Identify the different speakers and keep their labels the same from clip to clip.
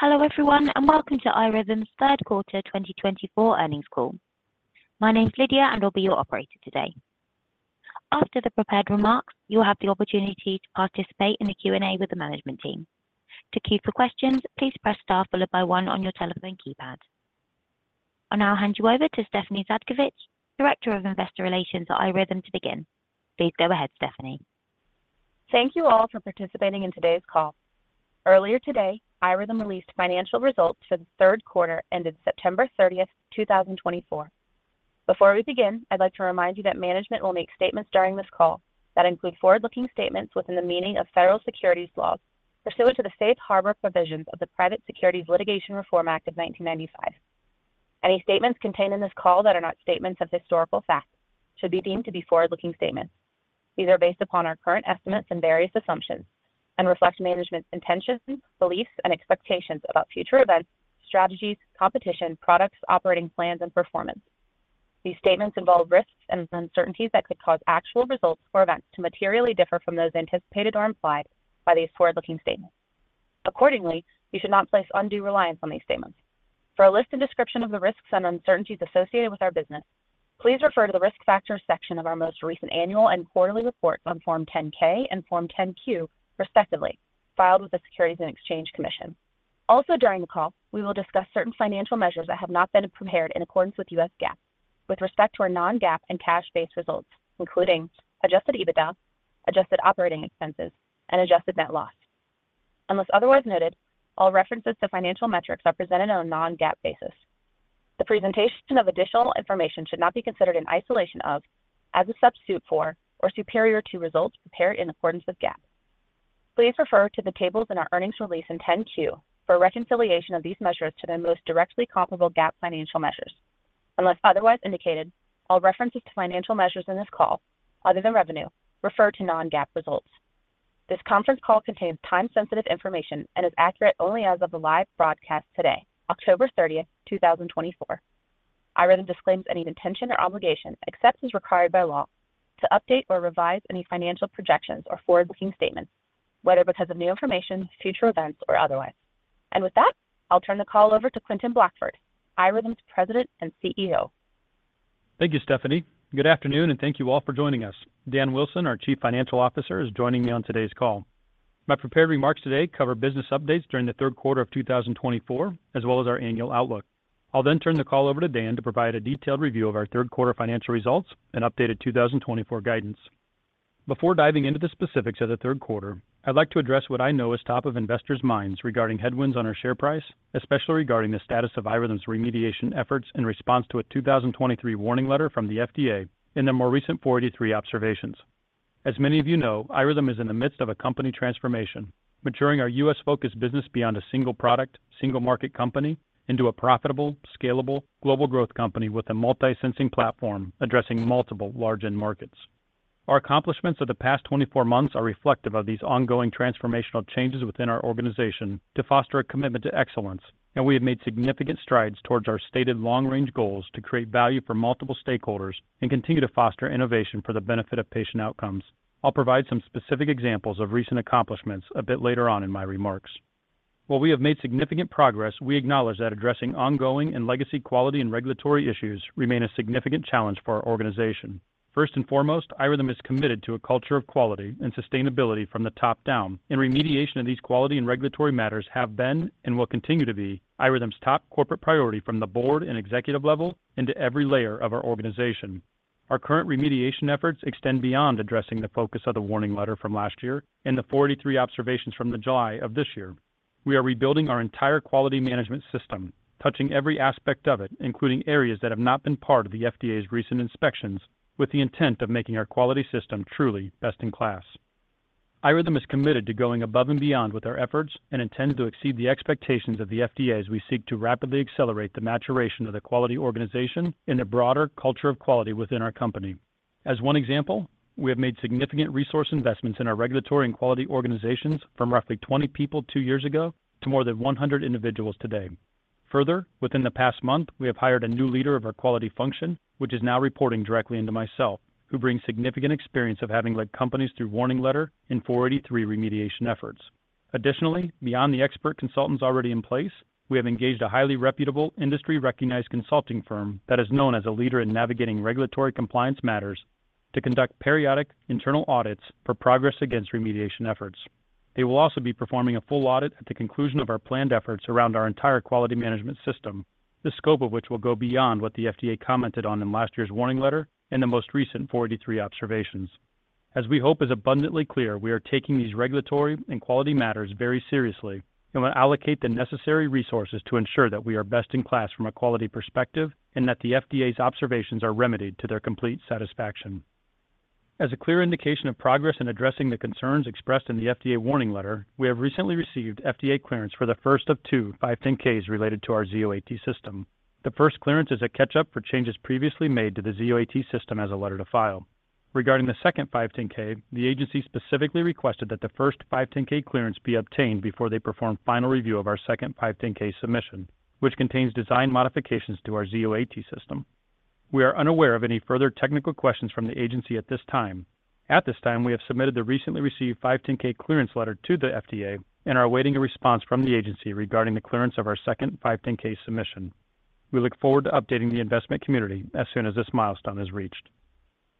Speaker 1: Hello everyone, and welcome to iRhythm's Third Quarter 2024 Earnings Call. My name's Lydia, and I'll be your operator today. After the prepared remarks, you'll have the opportunity to participate in the Q&A with the management team. To queue for questions, please press star followed by one on your telephone keypad. I'll now hand you over to Stephanie Zhadkevich, Director of Investor Relations at iRhythm, to begin. Please go ahead, Stephanie.
Speaker 2: Thank you all for participating in today's call. Earlier today, iRhythm released financial results for the third quarter ended September 30th, 2024. Before we begin, I'd like to remind you that management will make statements during this call that include forward-looking statements within the meaning of federal securities laws pursuant to the safe harbor provisions of the Private Securities Litigation Reform Act of 1995. Any statements contained in this call that are not statements of historical fact should be deemed to be forward-looking statements. These are based upon our current estimates and various assumptions and reflect management's intentions, beliefs, and expectations about future events, strategies, competition, products, operating plans, and performance. These statements involve risks and uncertainties that could cause actual results or events to materially differ from those anticipated or implied by these forward-looking statements. Accordingly, you should not place undue reliance on these statements. For a list and description of the risks and uncertainties associated with our business, please refer to the risk factors section of our most recent annual and quarterly reports on Form 10-K and Form 10-Q, respectively, filed with the Securities and Exchange Commission. Also, during the call, we will discuss certain financial measures that have not been prepared in accordance with U.S. GAAP with respect to our non-GAAP and cash-based results, including adjusted EBITDA, adjusted operating expenses, and adjusted net loss. Unless otherwise noted, all references to financial metrics are presented on a non-GAAP basis. The presentation of additional information should not be considered in isolation of, as a substitute for, or superior to results prepared in accordance with GAAP. Please refer to the tables in our earnings release in 10-Q for a reconciliation of these measures to the most directly comparable GAAP financial measures. Unless otherwise indicated, all references to financial measures in this call, other than revenue, refer to non-GAAP results. This conference call contains time-sensitive information and is accurate only as of the live broadcast today, October 30th, 2024. iRhythm disclaims any intention or obligation, except as required by law, to update or revise any financial projections or forward-looking statements, whether because of new information, future events, or otherwise, and with that, I'll turn the call over to Quentin Blackford, iRhythm's President and CEO.
Speaker 3: Thank you, Stephanie. Good afternoon, and thank you all for joining us. Dan Wilson, our Chief Financial Officer, is joining me on today's call. My prepared remarks today cover business updates during the third quarter of 2024, as well as our annual outlook. I'll then turn the call over to Dan to provide a detailed review of our third quarter financial results and updated 2024 guidance. Before diving into the specifics of the third quarter, I'd like to address what I know is top of investors' minds regarding headwinds on our share price, especially regarding the status of iRhythm's remediation efforts in response to a 2023 warning letter from the FDA and their more recent 483 observations. As many of you know, iRhythm is in the midst of a company transformation, maturing our U.S.-focused business beyond a single product, single market company into a profitable, scalable, global growth company with a multi-sensing platform addressing multiple large end markets. Our accomplishments of the past 24 months are reflective of these ongoing transformational changes within our organization to foster a commitment to excellence, and we have made significant strides towards our stated long-range goals to create value for multiple stakeholders and continue to foster innovation for the benefit of patient outcomes. I'll provide some specific examples of recent accomplishments a bit later on in my remarks. While we have made significant progress, we acknowledge that addressing ongoing and legacy quality and regulatory issues remain a significant challenge for our organization. First and foremost, iRhythm is committed to a culture of quality and sustainability from the top down, and remediation of these quality and regulatory matters have been and will continue to be iRhythm's top corporate priority from the board and executive level into every layer of our organization. Our current remediation efforts extend beyond addressing the focus of the warning letter from last year and the 483 observations from July of this year. We are rebuilding our entire quality management system, touching every aspect of it, including areas that have not been part of the FDA's recent inspections, with the intent of making our quality system truly best in class. iRhythm is committed to going above and beyond with our efforts and intends to exceed the expectations of the FDA as we seek to rapidly accelerate the maturation of the quality organization and the broader culture of quality within our company. As one example, we have made significant resource investments in our regulatory and quality organizations from roughly 20 people two years ago to more than 100 individuals today. Further, within the past month, we have hired a new leader of our quality function, which is now reporting directly into myself, who brings significant experience of having led companies through warning letter and 483 remediation efforts. Additionally, beyond the expert consultants already in place, we have engaged a highly reputable, industry-recognized consulting firm that is known as a leader in navigating regulatory compliance matters to conduct periodic internal audits for progress against remediation efforts. They will also be performing a full audit at the conclusion of our planned efforts around our entire quality management system, the scope of which will go beyond what the FDA commented on in last year's warning letter and the most recent 483 observations. As we hope is abundantly clear, we are taking these regulatory and quality matters very seriously and will allocate the necessary resources to ensure that we are best in class from a quality perspective and that the FDA's observations are remedied to their complete satisfaction. As a clear indication of progress in addressing the concerns expressed in the FDA warning letter, we have recently received FDA clearance for the first of two 510(k)s related to our Zio AT system. The first clearance is a catch-up for changes previously made to the Zio AT system as a letter to file. Regarding the second 510(k), the agency specifically requested that the first 510(k) clearance be obtained before they perform final review of our second 510(k) submission, which contains design modifications to our Zio AT system. We are unaware of any further technical questions from the agency at this time. At this time, we have submitted the recently received 510(k) clearance letter to the FDA and are awaiting a response from the agency regarding the clearance of our second 510(k) submission. We look forward to updating the investment community as soon as this milestone is reached.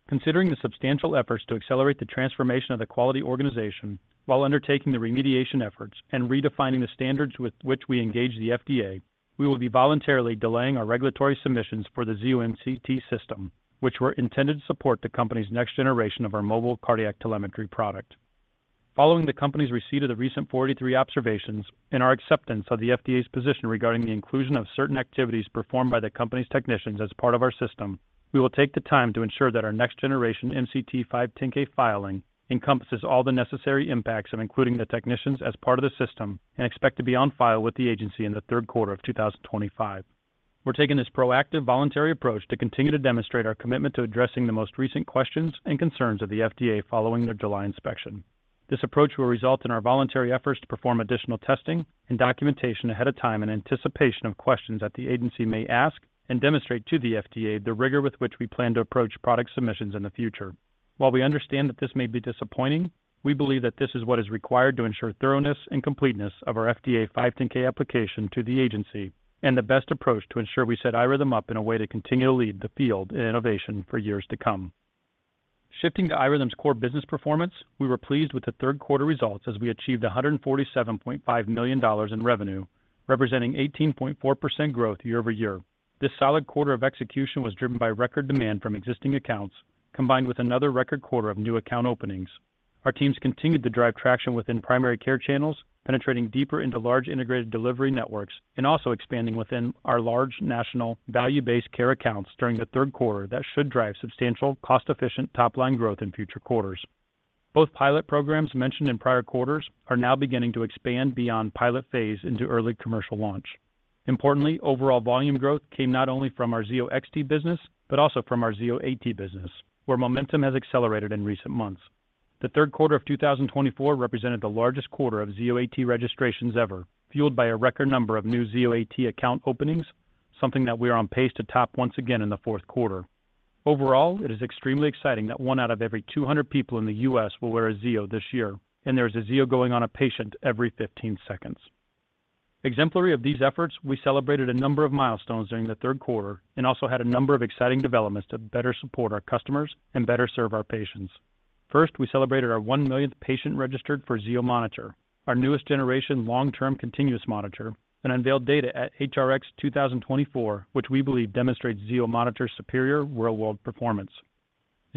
Speaker 3: Considering the substantial efforts to accelerate the transformation of the quality organization while undertaking the remediation efforts and redefining the standards with which we engage the FDA, we will be voluntarily delaying our regulatory submissions for the Zio MCT system, which were intended to support the company's next generation of our mobile cardiac telemetry product. Following the company's receipt of the recent 483 observations and our acceptance of the FDA's position regarding the inclusion of certain activities performed by the company's technicians as part of our system, we will take the time to ensure that our next generation MCT 510(k) filing encompasses all the necessary impacts of including the technicians as part of the system and expect to be on file with the agency in the third quarter of 2025. We're taking this proactive, voluntary approach to continue to demonstrate our commitment to addressing the most recent questions and concerns of the FDA following their July inspection. This approach will result in our voluntary efforts to perform additional testing and documentation ahead of time in anticipation of questions that the agency may ask and demonstrate to the FDA the rigor with which we plan to approach product submissions in the future. While we understand that this may be disappointing, we believe that this is what is required to ensure thoroughness and completeness of our FDA 510(k) application to the agency and the best approach to ensure we set iRhythm up in a way to continue to lead the field in innovation for years to come. Shifting to iRhythm's core business performance, we were pleased with the third quarter results as we achieved $147.5 million in revenue, representing 18.4% growth year over year. This solid quarter of execution was driven by record demand from existing accounts, combined with another record quarter of new account openings. Our teams continued to drive traction within primary care channels, penetrating deeper into large integrated delivery networks and also expanding within our large national value-based care accounts during the third quarter that should drive substantial, cost-efficient top-line growth in future quarters. Both pilot programs mentioned in prior quarters are now beginning to expand beyond pilot phase into early commercial launch. Importantly, overall volume growth came not only from our Zio XT business but also from our Zio AT business, where momentum has accelerated in recent months. The third quarter of 2024 represented the largest quarter of Zio AT registrations ever, fueled by a record number of new Zio AT account openings, something that we are on pace to top once again in the fourth quarter. Overall, it is extremely exciting that one out of every 200 people in the U.S. will wear a Zio this year, and there is a Zio going on a patient every 15 seconds. Exemplary of these efforts, we celebrated a number of milestones during the third quarter and also had a number of exciting developments to better support our customers and better serve our patients. First, we celebrated our one millionth patient registered for Zio Monitor, our newest generation long-term continuous monitor, and unveiled data at HRX 2024, which we believe demonstrates Zio Monitor's superior world-wide performance.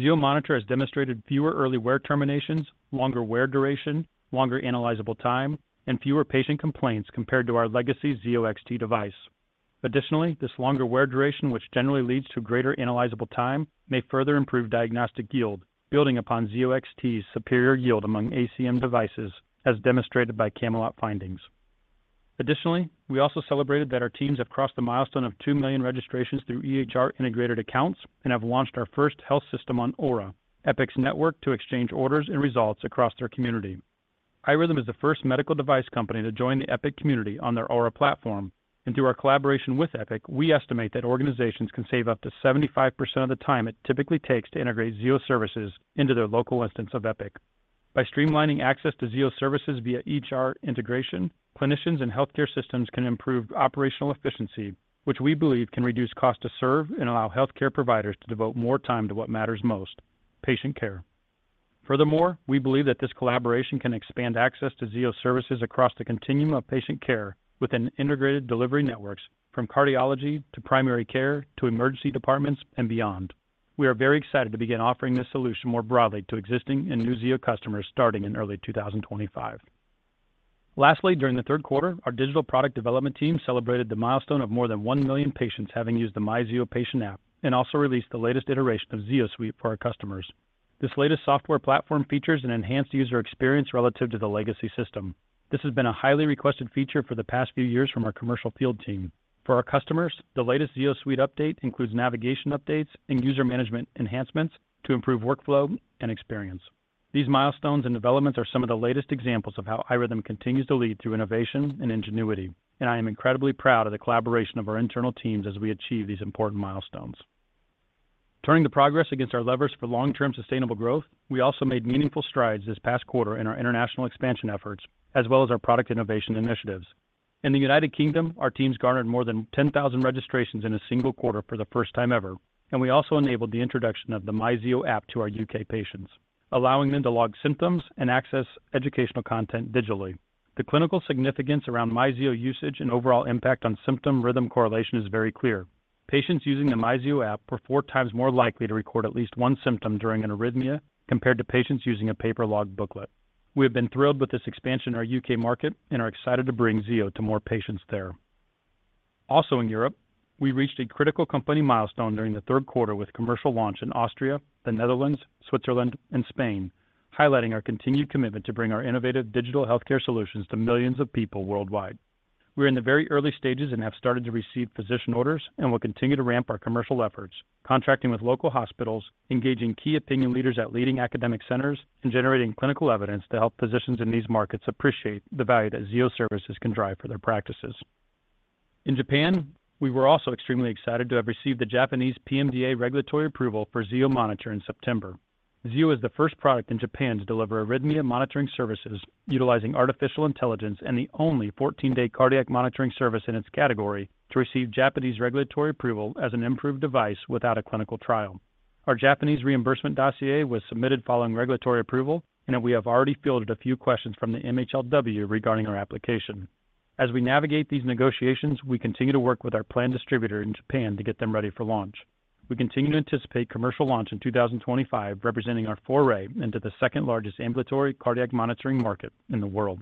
Speaker 3: Zio Monitor has demonstrated fewer early wear terminations, longer wear duration, longer analyzable time, and fewer patient complaints compared to our legacy Zio XT device. Additionally, this longer wear duration, which generally leads to greater analyzable time, may further improve diagnostic yield, building upon Zio XT's superior yield among ACM devices, as demonstrated by CAMELOT findings. Additionally, we also celebrated that our teams have crossed the milestone of two million registrations through EHR integrated accounts and have launched our first health system on Epic Aura, Epic's network to exchange orders and results across their community. iRhythm is the first medical device company to join the Epic community on their Aura platform, and through our collaboration with Epic, we estimate that organizations can save up to 75% of the time it typically takes to integrate Zio services into their local instance of Epic. By streamlining access to Zio services via EHR integration, clinicians and healthcare systems can improve operational efficiency, which we believe can reduce cost to serve and allow healthcare providers to devote more time to what matters most: patient care. Furthermore, we believe that this collaboration can expand access to Zio services across the continuum of patient care within integrated delivery networks from cardiology to primary care to emergency departments and beyond. We are very excited to begin offering this solution more broadly to existing and new Zio customers starting in early 2025. Lastly, during the third quarter, our digital product development team celebrated the milestone of more than one million patients having used the MyZio patient app and also released the latest iteration of ZioSuite for our customers. This latest software platform features an enhanced user experience relative to the legacy system. This has been a highly requested feature for the past few years from our commercial field team. For our customers, the latest ZioSuite update includes navigation updates and user management enhancements to improve workflow and experience. These milestones and developments are some of the latest examples of how iRhythm continues to lead through innovation and ingenuity, and I am incredibly proud of the collaboration of our internal teams as we achieve these important milestones. Turning the progress against our levers for long-term sustainable growth, we also made meaningful strides this past quarter in our international expansion efforts, as well as our product innovation initiatives. In the United Kingdom, our teams garnered more than 10,000 registrations in a single quarter for the first time ever, and we also enabled the introduction of the MyZio app to our U.K. patients, allowing them to log symptoms and access educational content digitally. The clinical significance around MyZio usage and overall impact on symptom-rhythm correlation is very clear. Patients using the MyZio app were four times more likely to record at least one symptom during an arrhythmia compared to patients using a paper log booklet. We have been thrilled with this expansion in our U.K. market and are excited to bring Zio to more patients there. Also in Europe, we reached a critical company milestone during the third quarter with commercial launch in Austria, the Netherlands, Switzerland, and Spain, highlighting our continued commitment to bring our innovative digital healthcare solutions to millions of people worldwide. We are in the very early stages and have started to receive physician orders and will continue to ramp our commercial efforts, contracting with local hospitals, engaging key opinion leaders at leading academic centers, and generating clinical evidence to help physicians in these markets appreciate the value that Zio service can drive for their practices. In Japan, we were also extremely excited to have received the Japanese PMDA regulatory approval for Zio Monitor in September. Zio is the first product in Japan to deliver arrhythmia monitoring services utilizing artificial intelligence and the only 14-day cardiac monitoring service in its category to receive Japanese regulatory approval as an improved device without a clinical trial. Our Japanese reimbursement dossier was submitted following regulatory approval, and we have already fielded a few questions from the MHLW regarding our application. As we navigate these negotiations, we continue to work with our planned distributor in Japan to get them ready for launch. We continue to anticipate commercial launch in 2025, representing our foray into the second largest ambulatory cardiac monitoring market in the world.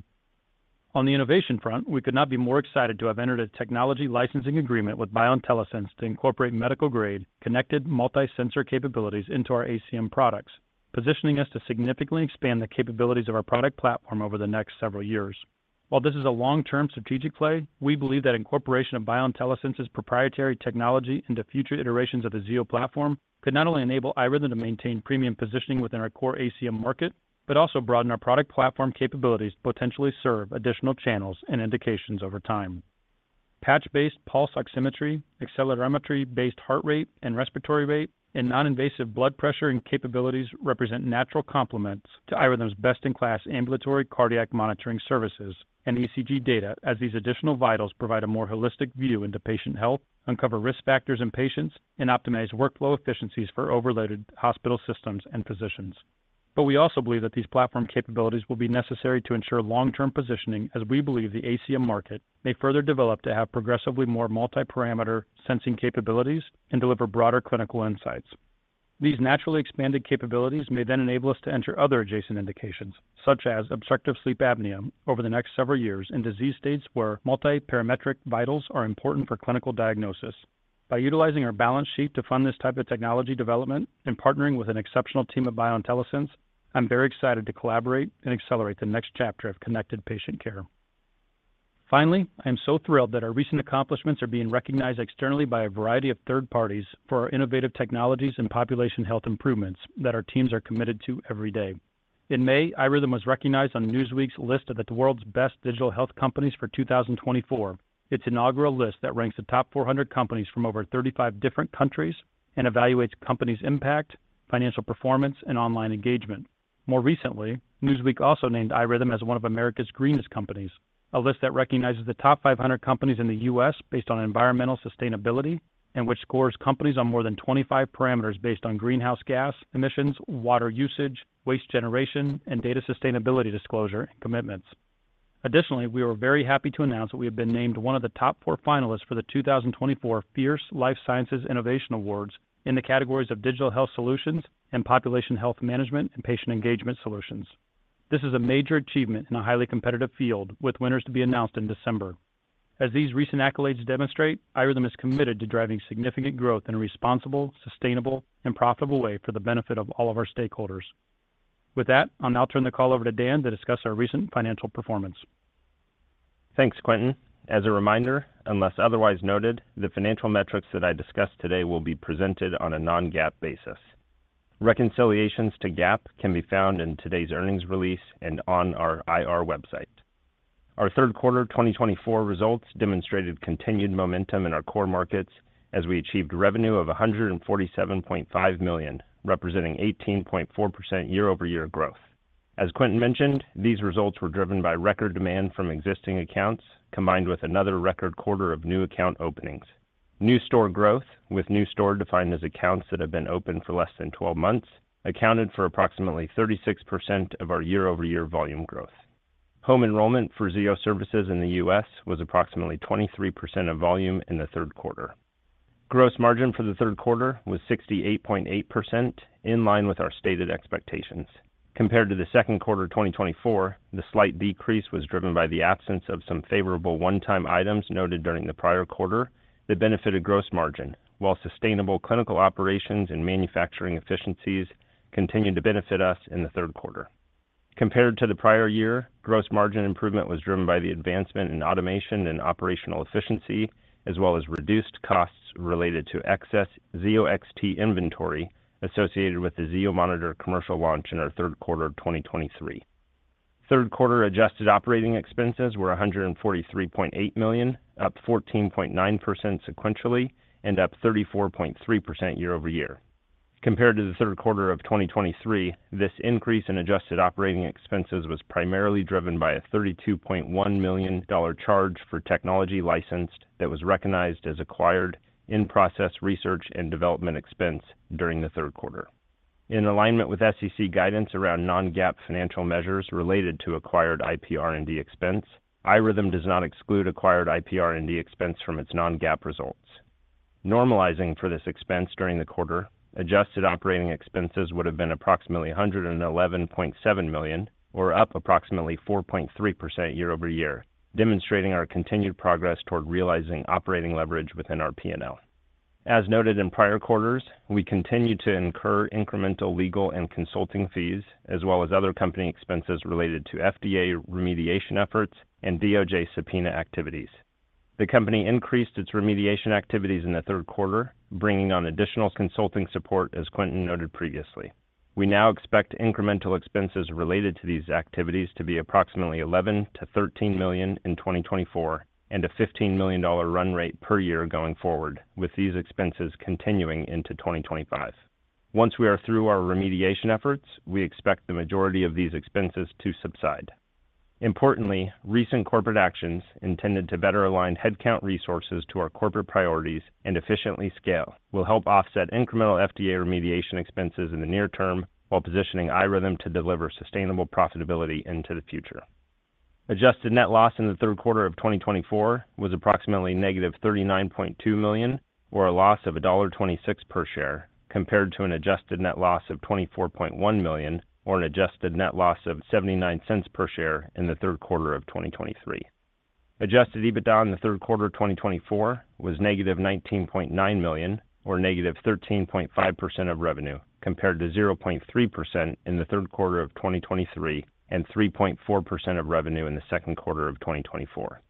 Speaker 3: On the innovation front, we could not be more excited to have entered a technology licensing agreement with BioIntelliSense to incorporate medical-grade connected multi-sensor capabilities into our ACM products, positioning us to significantly expand the capabilities of our product platform over the next several years. While this is a long-term strategic play, we believe that incorporation of BioIntelliSense's proprietary technology into future iterations of the Zio platform could not only enable iRhythm to maintain premium positioning within our core ACM market, but also broaden our product platform capabilities to potentially serve additional channels and indications over time. Patch-based pulse oximetry, accelerometry-based heart rate and respiratory rate, and non-invasive blood pressure and capabilities represent natural complements to iRhythm's best-in-class ambulatory cardiac monitoring services and ECG data, as these additional vitals provide a more holistic view into patient health, uncover risk factors in patients, and optimize workflow efficiencies for overloaded hospital systems and physicians. But we also believe that these platform capabilities will be necessary to ensure long-term positioning, as we believe the ACM market may further develop to have progressively more multi-parameter sensing capabilities and deliver broader clinical insights. These naturally expanded capabilities may then enable us to enter other adjacent indications, such as obstructive sleep apnea, over the next several years in disease states where multi-parametric vitals are important for clinical diagnosis. By utilizing our balance sheet to fund this type of technology development and partnering with an exceptional team at BioIntelliSense, I'm very excited to collaborate and accelerate the next chapter of connected patient care. Finally, I am so thrilled that our recent accomplishments are being recognized externally by a variety of third parties for our innovative technologies and population health improvements that our teams are committed to every day. In May, iRhythm was recognized on Newsweek's list of the World's Best Digital Health Companies for 2024, its inaugural list that ranks the top 400 companies from over 35 different countries and evaluates companies' impact, financial performance, and online engagement. More recently, Newsweek also named iRhythm as one of America's Greenest Companies, a list that recognizes the top 500 companies in the U.S. based on environmental sustainability and which scores companies on more than 25 parameters based on greenhouse gas emissions, water usage, waste generation, and data sustainability disclosure and commitments. Additionally, we are very happy to announce that we have been named one of the top four finalists for the 2024 Fierce Life Sciences Innovation Awards in the categories of digital health solutions and population health management and patient engagement solutions. This is a major achievement in a highly competitive field, with winners to be announced in December. As these recent accolades demonstrate, iRhythm is committed to driving significant growth in a responsible, sustainable, and profitable way for the benefit of all of our stakeholders. With that, I'll now turn the call over to Dan to discuss our recent financial performance.
Speaker 4: Thanks, Quentin. As a reminder, unless otherwise noted, the financial metrics that I discussed today will be presented on a non-GAAP basis. Reconciliations to GAAP can be found in today's earnings release and on our IR website. Our third quarter 2024 results demonstrated continued momentum in our core markets as we achieved revenue of $147.5 million, representing 18.4% year-over-year growth. As Quentin mentioned, these results were driven by record demand from existing accounts combined with another record quarter of new account openings. New account growth, with new account defined as accounts that have been open for less than 12 months, accounted for approximately 36% of our year-over-year volume growth. Home enrollment for Zio services in the U.S. was approximately 23% of volume in the third quarter. Gross margin for the third quarter was 68.8%, in line with our stated expectations. Compared to the second quarter 2024, the slight decrease was driven by the absence of some favorable one-time items noted during the prior quarter that benefited gross margin, while sustainable clinical operations and manufacturing efficiencies continued to benefit us in the third quarter. Compared to the prior year, gross margin improvement was driven by the advancement in automation and operational efficiency, as well as reduced costs related to excess Zio XT inventory associated with the Zio Monitor commercial launch in our third quarter 2023. Third quarter adjusted operating expenses were $143.8 million, up 14.9% sequentially and up 34.3% year-over-year. Compared to the third quarter of 2023, this increase in adjusted operating expenses was primarily driven by a $32.1 million charge for technology licensed that was recognized as acquired in-process research and development expense during the third quarter. In alignment with SEC guidance around non-GAAP financial measures related to acquired IPR&D expense, iRhythm does not exclude acquired IPR&D expense from its non-GAAP results. Normalizing for this expense during the quarter, adjusted operating expenses would have been approximately $111.7 million, or up approximately 4.3% year-over-year, demonstrating our continued progress toward realizing operating leverage within our P&L. As noted in prior quarters, we continued to incur incremental legal and consulting fees, as well as other company expenses related to FDA remediation efforts and DOJ subpoena activities. The company increased its remediation activities in the third quarter, bringing on additional consulting support, as Quentin noted previously. We now expect incremental expenses related to these activities to be approximately $11 million-$13 million in 2024 and a $15 million run rate per year going forward, with these expenses continuing into 2025. Once we are through our remediation efforts, we expect the majority of these expenses to subside. Importantly, recent corporate actions intended to better align headcount resources to our corporate priorities and efficiently scale will help offset incremental FDA remediation expenses in the near-term while positioning iRhythm to deliver sustainable profitability into the future. Adjusted net loss in the third quarter of 2024 was approximately -$39.2 million, or a loss of $1.26 per share, compared to an adjusted net loss of $24.1 million, or an adjusted net loss of $0.79 per share in the third quarter of 2023. Adjusted EBITDA in the third quarter of 2024 was -$19.9 million, or -13.5% of revenue, compared to 0.3% in the third quarter of 2023 and 3.4% of revenue in the second quarter of 2024.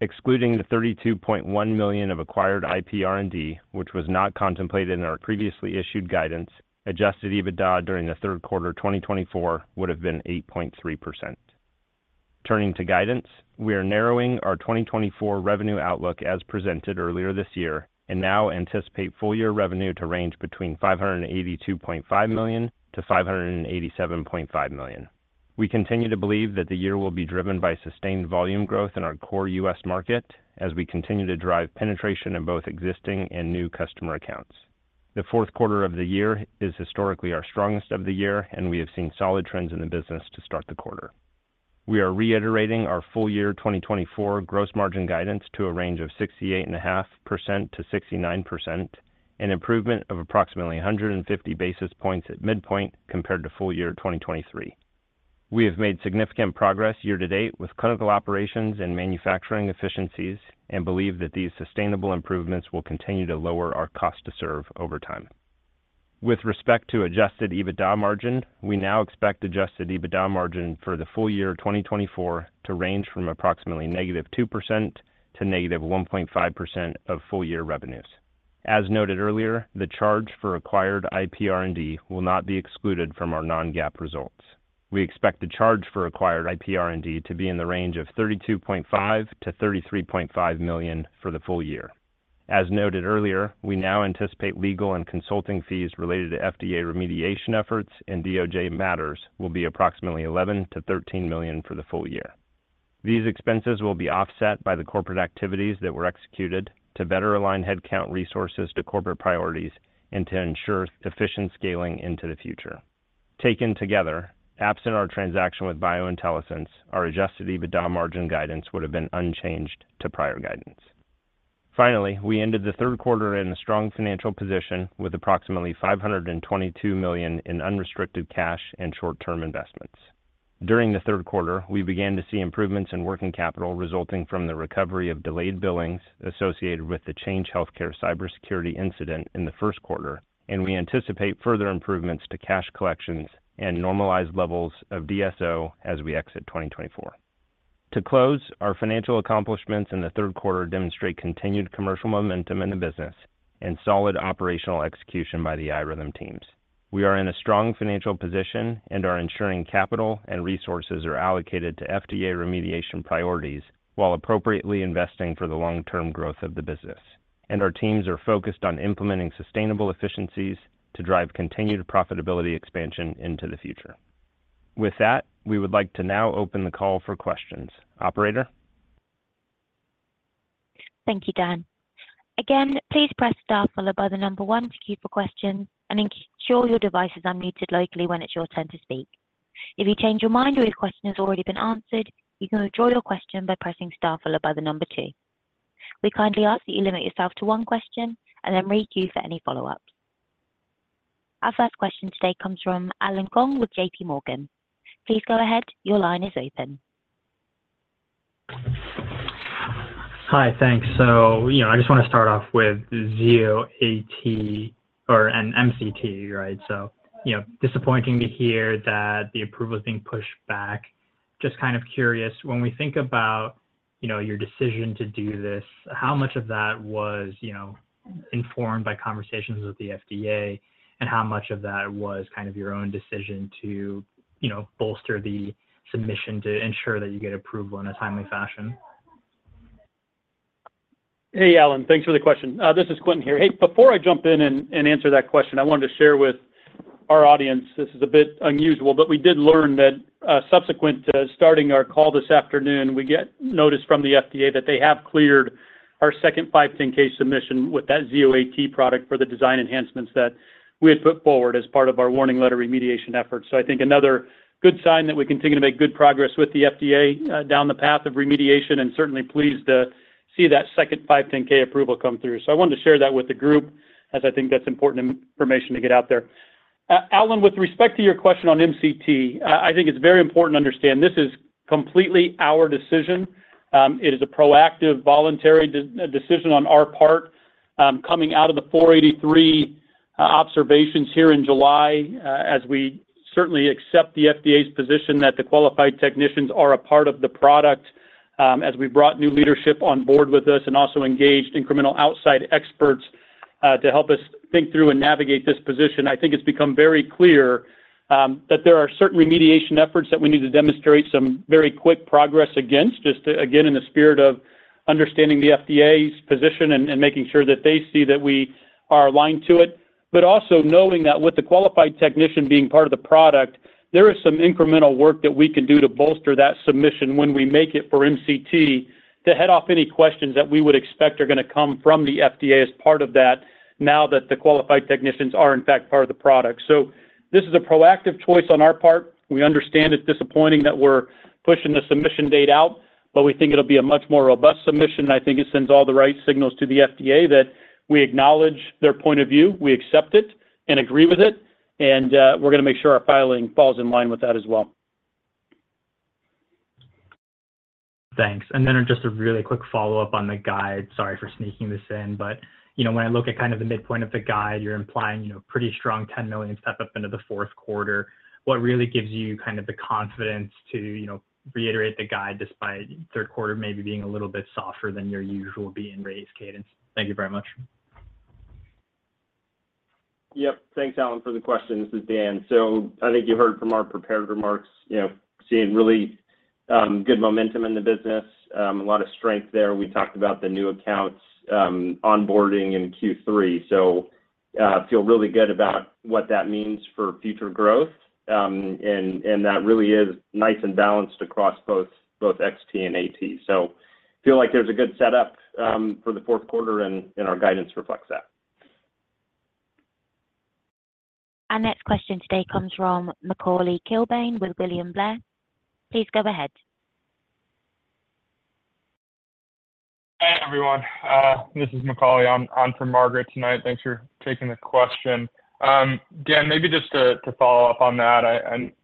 Speaker 4: Excluding the $32.1 million of acquired IPR&D, which was not contemplated in our previously issued guidance, adjusted EBITDA during the third quarter of 2024 would have been 8.3%. Turning to guidance, we are narrowing our 2024 revenue outlook as presented earlier this year and now anticipate full-year revenue to range between $582.5 million-$587.5 million. We continue to believe that the year will be driven by sustained volume growth in our core U.S. market as we continue to drive penetration in both existing and new customer accounts. The fourth quarter of the year is historically our strongest of the year, and we have seen solid trends in the business to start the quarter. We are reiterating our full-year 2024 gross margin guidance to a range of 68.5%-69% and improvement of approximately 150 basis points at midpoint compared to full-year 2023. We have made significant progress year-to-date with clinical operations and manufacturing efficiencies and believe that these sustainable improvements will continue to lower our cost to serve over time. With respect to adjusted EBITDA margin, we now expect adjusted EBITDA margin for the full year 2024 to range from approximately -2% to -1.5% of full-year revenues. As noted earlier, the charge for acquired IPR&D will not be excluded from our non-GAAP results. We expect the charge for acquired IPR&D to be in the range of $32.5 million-$33.5 million for the full year. As noted earlier, we now anticipate legal and consulting fees related to FDA remediation efforts and DOJ matters will be approximately $11 million-$13 million for the full year. These expenses will be offset by the corporate activities that were executed to better align headcount resources to corporate priorities and to ensure efficient scaling into the future. Taken together, absent our transaction with BioIntelliSense, our adjusted EBITDA margin guidance would have been unchanged to prior guidance. Finally, we ended the third quarter in a strong financial position with approximately $522 million in unrestricted cash and short-term investments. During the third quarter, we began to see improvements in working capital resulting from the recovery of delayed billings associated with the Change Healthcare cybersecurity incident in the first quarter, and we anticipate further improvements to cash collections and normalized levels of DSO as we exit 2024. To close, our financial accomplishments in the third quarter demonstrate continued commercial momentum in the business and solid operational execution by the iRhythm teams. We are in a strong financial position and are ensuring capital and resources are allocated to FDA remediation priorities while appropriately investing for the long-term growth of the business, and our teams are focused on implementing sustainable efficiencies to drive continued profitability expansion into the future. With that, we would like to now open the call for questions. Operator?
Speaker 1: Thank you, Dan. Again, please press star followed by the number one to queue for questions and ensure your device is unmuted locally when it's your turn to speak. If you change your mind or your question has already been answered, you can withdraw your question by pressing star followed by the number two. We kindly ask that you limit yourself to one question and then requeue for any follow-ups. Our first question today comes from Allen Gong with JPMorgan. Please go ahead. Your line is open.
Speaker 5: Hi, thanks. So, you know, I just want to start off with Zio AT or an MCT, right? You know, disappointing to hear that the approval is being pushed back. Just kind of curious, when we think about, you know, your decision to do this, how much of that was, you know, informed by conversations with the FDA and how much of that was kind of your own decision to, you know, bolster the submission to ensure that you get approval in a timely fashion?
Speaker 3: Hey, Allen. Thanks for the question. This is Quentin here. Hey, before I jump in and answer that question, I wanted to share with our audience. This is a bit unusual, but we did learn that subsequent to starting our call this afternoon, we got notice from the FDA that they have cleared our second 510(k) submission with that Zio AT product for the design enhancements that we had put forward as part of our warning letter remediation efforts. So I think another good sign that we continue to make good progress with the FDA down the path of remediation and certainly pleased to see that second 510(k) approval come through. So I wanted to share that with the group as I think that's important information to get out there. Allen, with respect to your question on MCT, I think it's very important to understand this is completely our decision. It is a proactive, voluntary decision on our part coming out of the 483 observations here in July as we certainly accept the FDA's position that the qualified technicians are a part of the product. As we brought new leadership on board with us and also engaged incremental outside experts to help us think through and navigate this position, I think it's become very clear that there are certain remediation efforts that we need to demonstrate some very quick progress against, just again in the spirit of understanding the FDA's position and making sure that they see that we are aligned to it. But also knowing that with the qualified technician being part of the product, there is some incremental work that we can do to bolster that submission when we make it for MCT to head off any questions that we would expect are going to come from the FDA as part of that now that the qualified technicians are in fact part of the product. So this is a proactive choice on our part. We understand it's disappointing that we're pushing the submission date out, but we think it'll be a much more robust submission. I think it sends all the right signals to the FDA that we acknowledge their point of view, we accept it and agree with it, and we're going to make sure our filing falls in line with that as well.
Speaker 5: Thanks. And then just a really quick follow-up on the guide. Sorry for sneaking this in, but, you know, when I look at kind of the midpoint of the guide, you're implying, you know, pretty strong $10 million step up into the fourth quarter. What really gives you kind of the confidence to, you know, reiterate the guide despite third quarter maybe being a little bit softer than your usual beat-and-raise cadence? Thank you very much.
Speaker 4: Yep. Thanks, Allen, for the question. This is Dan. So I think you heard from our prepared remarks, you know, seeing really good momentum in the business, a lot of strength there. We talked about the new accounts onboarding in Q3. So I feel really good about what that means for future growth, and that really is nice and balanced across both XT and AT. So I feel like there's a good setup for the fourth quarter, and our guidance reflects that.
Speaker 1: Our next question today comes from Macauley Kilbane with William Blair. Please go ahead. Hey, everyone. This is Macauley on for Margaret tonight. Thanks for taking the question. Dan, maybe just to follow up on that,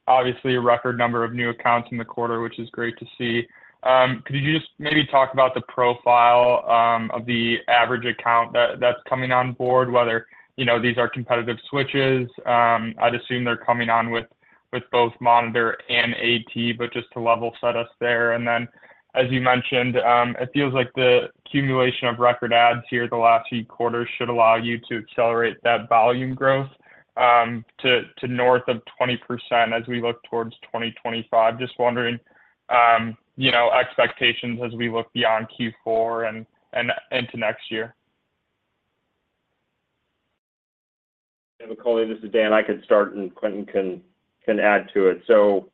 Speaker 1: obviously a record number of new accounts in the quarter, which is great to see. Could you just maybe talk about the profile of the average account that's coming on board, whether, you know, these are competitive switches? I'd assume they're coming on with both Monitor and AT, but just to level set us there. And then, as you mentioned, it feels like the accumulation of record adds here the last few quarters should allow you to accelerate that volume growth to north of 20% as we look towards 2025. Just wondering, you know, expectations as we look beyond Q4 and into next year.
Speaker 4: Yeah, Macauley, this is Dan. I can start, and Quentin can add to it. So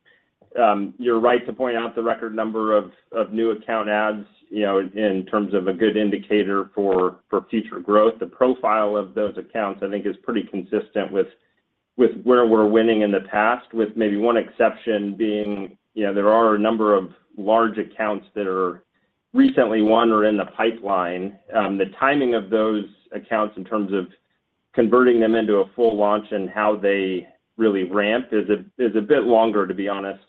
Speaker 4: you're right to point out the record number of new account adds, you know, in terms of a good indicator for future growth. The profile of those accounts, I think, is pretty consistent with where we're winning in the past, with maybe one exception being, you know, there are a number of large accounts that are recently won or in the pipeline. The timing of those accounts in terms of converting them into a full launch and how they really ramp is a bit longer, to be honest,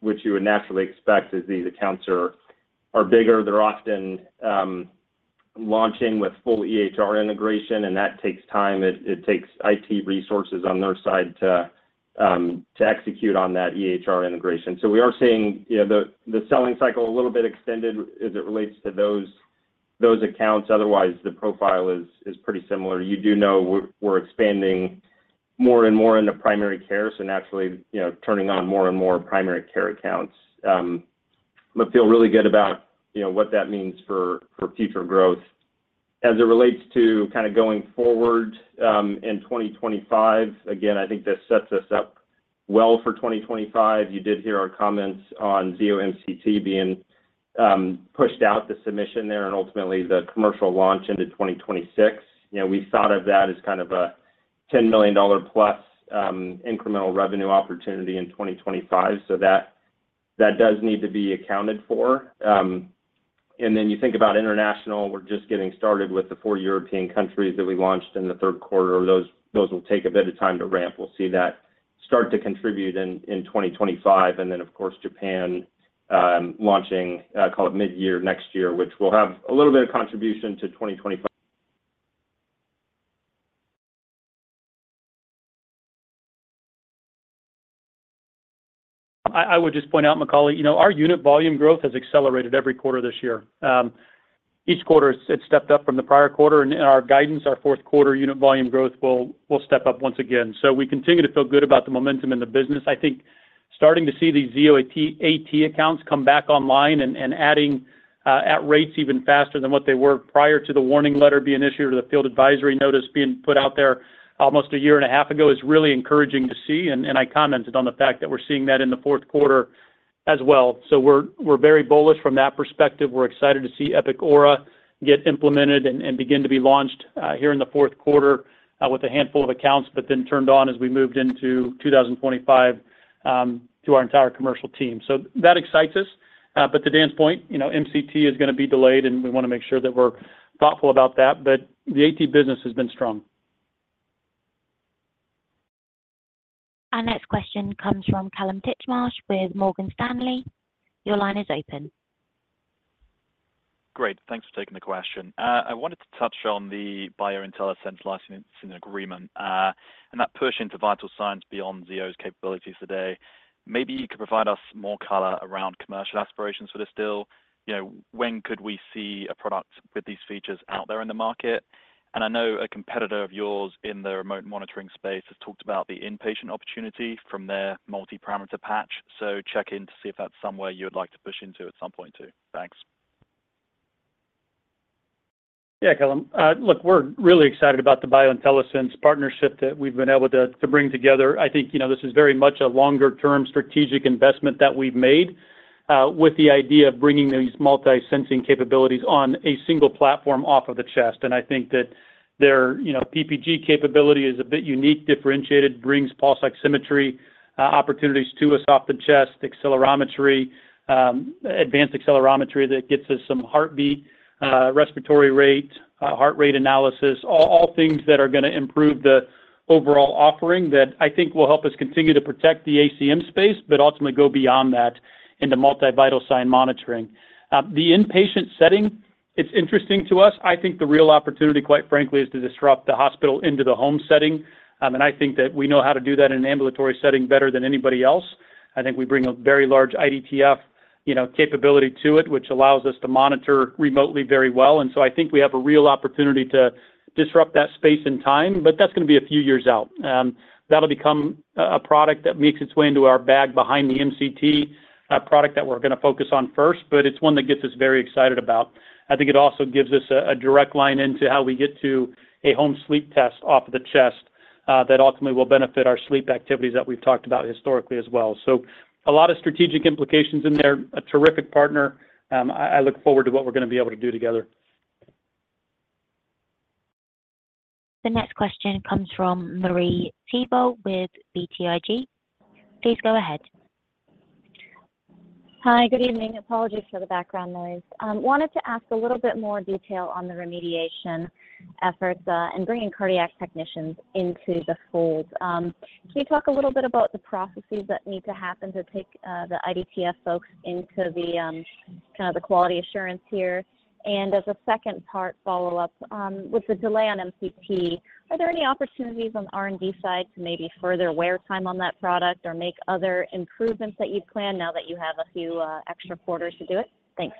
Speaker 4: which you would naturally expect as these accounts are bigger. They're often launching with full EHR integration, and that takes time. It takes IT resources on their side to execute on that EHR integration. So we are seeing, you know, the selling cycle a little bit extended as it relates to those accounts. Otherwise, the profile is pretty similar. You do know we're expanding more and more into primary care, so naturally, you know, turning on more and more primary care accounts. But feel really good about, you know, what that means for future growth. As it relates to kind of going forward in 2025, again, I think this sets us up well for 2025. You did hear our comments on Zio MCT being pushed out, the submission there, and ultimately the commercial launch into 2026. You know, we thought of that as kind of a $10+ million incremental revenue opportunity in 2025. So that does need to be accounted for. And then you think about international, we're just getting started with the four European countries that we launched in the third quarter. Those will take a bit of time to ramp. We'll see that start to contribute in 2025. And then, of course, Japan launching, call it mid-year next year, which will have a little bit of contribution to 2025.
Speaker 3: I would just point out, Macauley, you know, our unit volume growth has accelerated every quarter this year. Each quarter, it's stepped up from the prior quarter. And in our guidance, our fourth quarter unit volume growth will step up once again. So we continue to feel good about the momentum in the business. I think starting to see these Zio AT accounts come back online and adding at rates even faster than what they were prior to the warning letter being issued or the field advisory notice being put out there almost a year and a half ago is really encouraging to see. And I commented on the fact that we're seeing that in the fourth quarter as well. So we're very bullish from that perspective. We're excited to see Epic Aura get implemented and begin to be launched here in the fourth quarter with a handful of accounts, but then turned on as we moved into 2025 to our entire commercial team. So that excites us. But to Dan's point, you know, MCT is going to be delayed, and we want to make sure that we're thoughtful about that. But the AT business has been strong.
Speaker 1: Our next question comes from Kallum Titchmarsh with Morgan Stanley. Your line is open. Great. Thanks for taking the question. I wanted to touch on the BioIntelliSense licensing agreement and that push into vital signs beyond Zio's capabilities today. Maybe you could provide us more color around commercial aspirations for this deal.
Speaker 6: You know, when could we see a product with these features out there in the market? And I know a competitor of yours in the remote monitoring space has talked about the inpatient opportunity from their multi-parameter patch. So check in to see if that's somewhere you would like to push into at some point too. Thanks.
Speaker 3: Yeah, Kallum. Look, we're really excited about the BioIntelliSense partnership that we've been able to bring together. I think, you know, this is very much a longer-term strategic investment that we've made with the idea of bringing these multi-sensing capabilities on a single platform off of the chest. I think that their, you know, PPG capability is a bit unique, differentiated, brings pulse oximetry opportunities to us off the chest, accelerometry, advanced accelerometry that gets us some heartbeat, respiratory rate, heart rate analysis, all things that are going to improve the overall offering that I think will help us continue to protect the ACM space, but ultimately go beyond that into multi-vital sign monitoring. The inpatient setting, it's interesting to us. I think the real opportunity, quite frankly, is to disrupt the hospital into the home setting. I think that we know how to do that in an ambulatory setting better than anybody else. I think we bring a very large IDTF, you know, capability to it, which allows us to Monitor remotely very well. And so I think we have a real opportunity to disrupt that space in time, but that's going to be a few years out. That'll become a product that makes its way into our bag behind the MCT product that we're going to focus on first, but it's one that gets us very excited about. I think it also gives us a direct line into how we get to a home sleep test off of the chest that ultimately will benefit our sleep activities that we've talked about historically as well. So a lot of strategic implications in there, a terrific partner. I look forward to what we're going to be able to do together.
Speaker 1: The next question comes from Marie Thibault with BTIG. Please go ahead.
Speaker 7: Hi, good evening. Apologies for the background noise. Wanted to ask a little bit more detail on the remediation efforts and bringing cardiac technicians into the fold. Can you talk a little bit about the processes that need to happen to take the IDTF folks into the kind of the quality assurance here? And as a second part follow-up, with the delay on MCT, are there any opportunities on the R&D side to maybe further wear time on that product or make other improvements that you've planned now that you have a few extra quarters to do it? Thanks.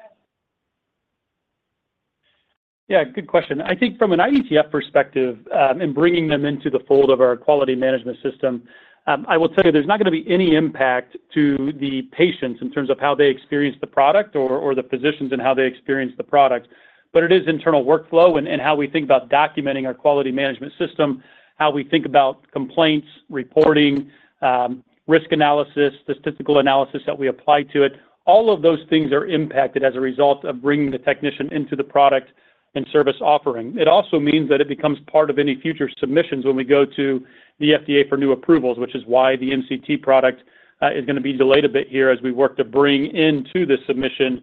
Speaker 3: Yeah, good question. I think from an IDTF perspective and bringing them into the fold of our quality management system, I will tell you there's not going to be any impact to the patients in terms of how they experience the product or the physicians and how they experience the product. But it is internal workflow and how we think about documenting our quality management system, how we think about complaints, reporting, risk analysis, the statistical analysis that we apply to it. All of those things are impacted as a result of bringing the technician into the product and service offering. It also means that it becomes part of any future submissions when we go to the FDA for new approvals, which is why the MCT product is going to be delayed a bit here as we work to bring into the submission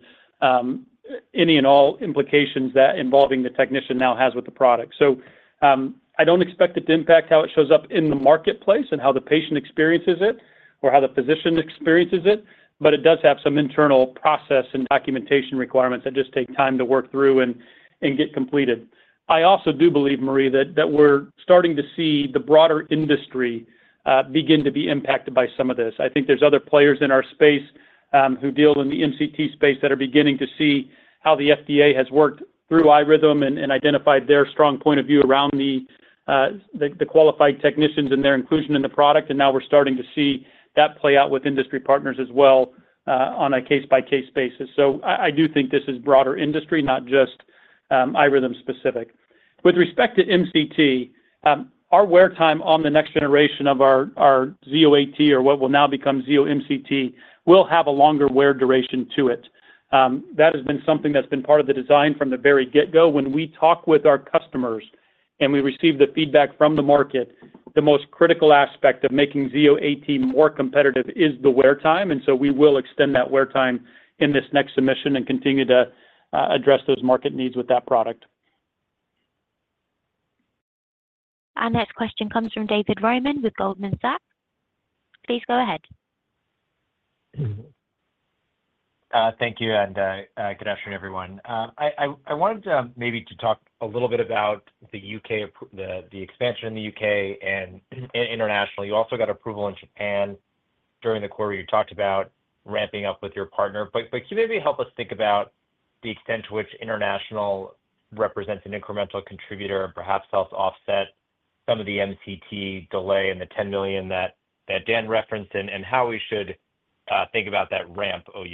Speaker 3: any and all implications that involving the technician now has with the product. So I don't expect it to impact how it shows up in the marketplace and how the patient experiences it or how the physician experiences it, but it does have some internal process and documentation requirements that just take time to work through and get completed. I also do believe, Marie, that we're starting to see the broader industry begin to be impacted by some of this. I think there's other players in our space who deal in the MCT space that are beginning to see how the FDA has worked through iRhythm and identified their strong point of view around the qualified technicians and their inclusion in the product. And now we're starting to see that play out with industry partners as well on a case-by-case basis. So I do think this is broader industry, not just iRhythm specific. With respect to MCT, our wear time on the next generation of our Zio AT or what will now become Zio MCT will have a longer wear duration to it. That has been something that's been part of the design from the very get-go. When we talk with our customers and we receive the feedback from the market, the most critical aspect of making Zio AT more competitive is the wear time. And so we will extend that wear time in this next submission and continue to address those market needs with that product.
Speaker 1: Our next question comes from David Roman with Goldman Sachs. Please go ahead.
Speaker 8: Thank you. And good afternoon, everyone. I wanted to maybe talk a little bit about the U.K., the expansion in the U.K. and internationally. You also got approval in Japan during the quarter. You talked about ramping up with your partner. But can you maybe help us think about the extent to which international represents an incremental contributor and perhaps helps offset some of the MCT delay and the $10 million that Dan referenced and how we should think about that ramp [OUS]?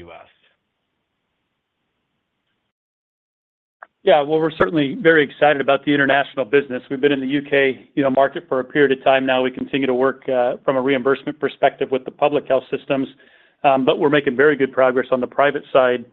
Speaker 3: Yeah, well, we're certainly very excited about the international business. We've been in the U.K. market for a period of time now. We continue to work from a reimbursement perspective with the public health systems, but we're making very good progress on the private side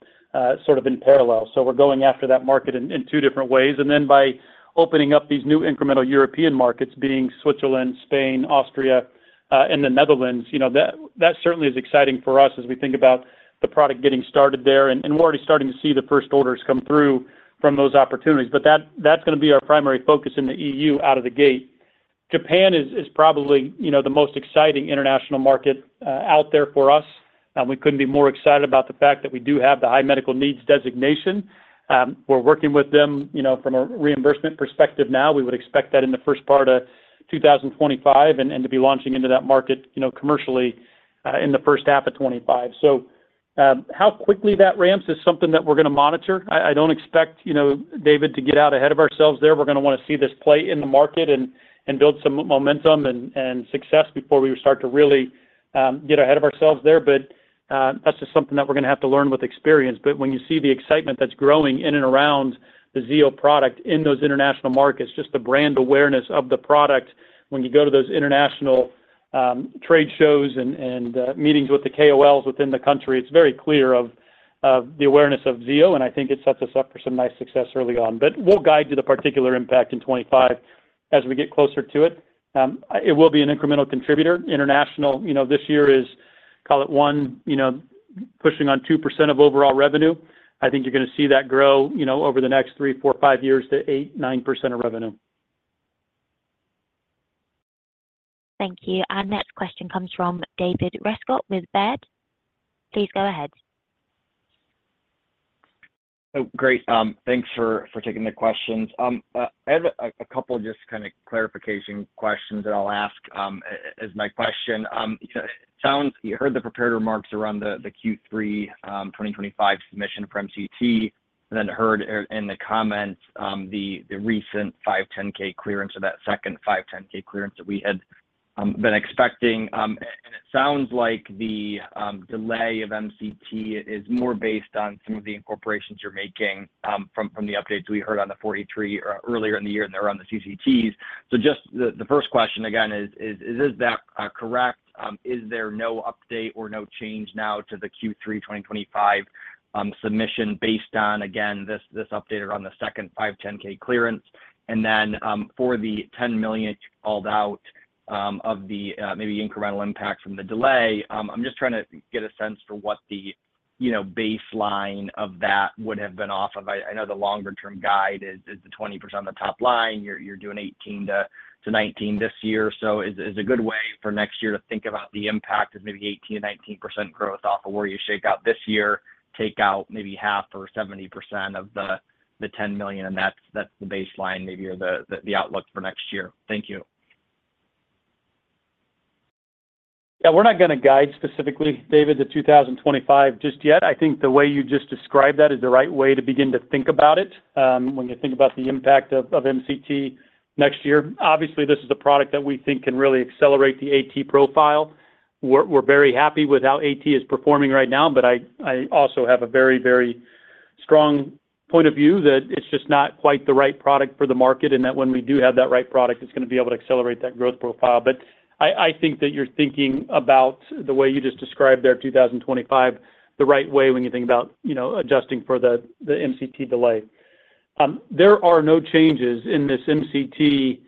Speaker 3: sort of in parallel. So we're going after that market in two different ways. And then by opening up these new incremental European markets, being Switzerland, Spain, Austria, and the Netherlands, you know, that certainly is exciting for us as we think about the product getting started there. And we're already starting to see the first orders come through from those opportunities. But that's going to be our primary focus in the EU out of the gate. Japan is probably, you know, the most exciting international market out there for us. We couldn't be more excited about the fact that we do have the high medical needs designation. We're working with them, you know, from a reimbursement perspective now. We would expect that in the first part of 2025, and to be launching into that market, you know, commercially in the first half of 2025. So how quickly that ramps is something that we're going to Monitor. I don't expect, you know, David, to get out ahead of ourselves there. We're going to want to see this play in the market and build some momentum and success before we start to really get ahead of ourselves there. But that's just something that we're going to have to learn with experience. But when you see the excitement that's growing in and around the Zio product in those international markets, just the brand awareness of the product, when you go to those international trade shows and meetings with the KOLs within the country, it's very clear of the awareness of Zio. And I think it sets us up for some nice success early on. But we'll guide to the particular impact in 2025 as we get closer to it. It will be an incremental contributor. International, you know, this year is, call it one, you know, pushing on 2% of overall revenue. I think you're going to see that grow, you know, over the next three, four, five years to 8%-9% of revenue.
Speaker 1: Thank you. Our next question comes from David Rescott with Baird. Please go ahead. Great.
Speaker 9: Thanks for taking the questions. I have a couple of just kind of clarification questions that I'll ask as my question. You know, it sounds like you heard the prepared remarks around the Q3 2025 submission for MCT and then heard in the comments the recent 510(k) clearance or that second 510(k) clearance that we had been expecting. And it sounds like the delay of MCT is more based on some of the incorporations you're making from the updates we heard on the 483 earlier in the year and they're on the CCTs. So just the first question again is, is that correct? Is there no update or no change now to the Q3 2025 submission based on, again, this update around the second 510(k) clearance? And then for the $10 million you called out of the maybe incremental impact from the delay, I'm just trying to get a sense for what the, you know, baseline of that would have been off of. I know the longer-term guide is the 20% on the top line. You're doing 18%-19% this year. So is a good way for next year to think about the impact is maybe 18%-19% growth off of where you shake out this year, take out maybe half or 70% of the $10 million. And that's the baseline maybe or the outlook for next year. Thank you.
Speaker 3: Yeah, we're not going to guide specifically, David, the 2025 just yet. I think the way you just described that is the right way to begin to think about it when you think about the impact of MCT next year. Obviously, this is a product that we think can really accelerate the AT profile. We're very happy with how AT is performing right now, but I also have a very, very strong point of view that it's just not quite the right product for the market and that when we do have that right product, it's going to be able to accelerate that growth profile. But I think that you're thinking about the way you just described there 2025 the right way when you think about, you know, adjusting for the MCT delay. There are no changes in this MCT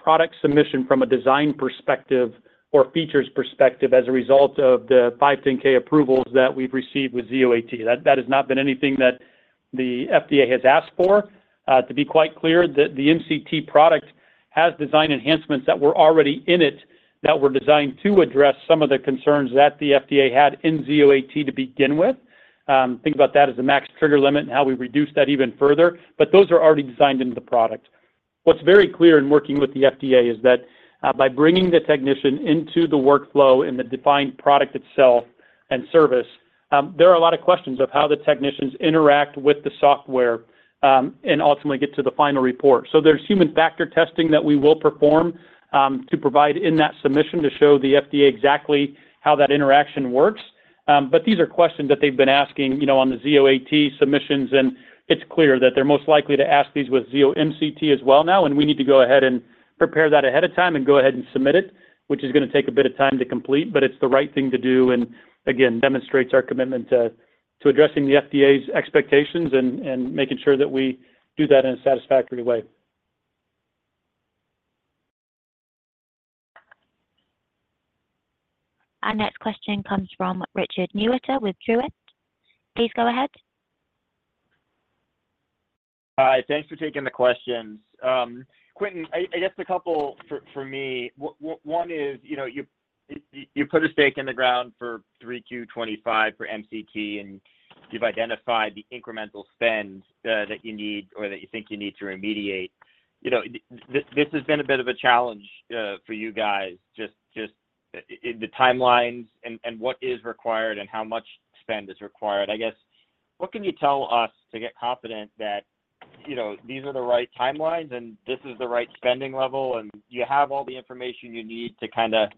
Speaker 3: product submission from a design perspective or features perspective as a result of the 510(k) approvals that we've received with Zio AT. That has not been anything that the FDA has asked for. To be quite clear, the MCT product has design enhancements that were already in it that were designed to address some of the concerns that the FDA had in Zio AT to begin with. Think about that as the max trigger limit and how we reduce that even further. But those are already designed into the product. What's very clear in working with the FDA is that by bringing the technician into the workflow and the defined product itself and service, there are a lot of questions of how the technicians interact with the software and ultimately get to the final report. So there's human factor testing that we will perform to provide in that submission to show the FDA exactly how that interaction works. But these are questions that they've been asking, you know, on the Zio AT submissions. It's clear that they're most likely to ask these with Zio MCT as well now. We need to go ahead and prepare that ahead of time and go ahead and submit it, which is going to take a bit of time to complete. It's the right thing to do and again, demonstrates our commitment to addressing the FDA's expectations and making sure that we do that in a satisfactory way.
Speaker 1: Our next question comes from Richard Newitter with Truist. Please go ahead.
Speaker 10: Hi, thanks for taking the questions. Quentin, I guess a couple for me. One is, you know, you put a stake in the ground for 3Q25 for MCT and you've identified the incremental spend that you need or that you think you need to remediate. You know, this has been a bit of a challenge for you guys, just the timelines and what is required and how much spend is required. I guess, what can you tell us to get confident that, you know, these are the right timelines and this is the right spending level and you have all the information you need to kind of,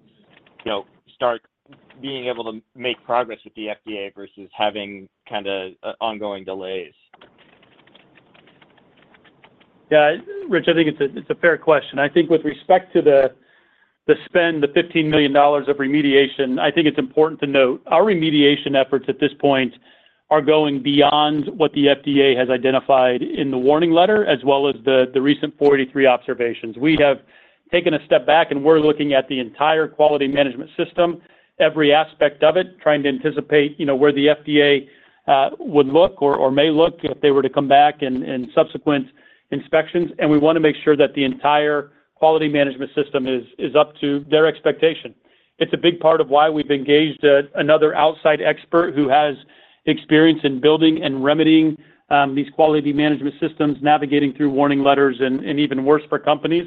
Speaker 10: you know, start being able to make progress with the FDA versus having kind of ongoing delays?
Speaker 3: Yeah, Richard, I think it's a fair question. I think with respect to the spend, the $15 million of remediation, I think it's important to note our remediation efforts at this point are going beyond what the FDA has identified in the warning letter as well as the recent 483 observations. We have taken a step back and we're looking at the entire quality management system, every aspect of it, trying to anticipate, you know, where the FDA would look or may look if they were to come back in subsequent inspections, and we want to make sure that the entire quality management system is up to their expectation. It's a big part of why we've engaged another outside expert who has experience in building and remedying these quality management systems, navigating through warning letters and even worse for companies,